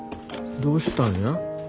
どうしたんや？